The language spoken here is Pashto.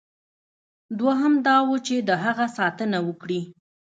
دوهم دا وه چې د هغه ساتنه وکړي.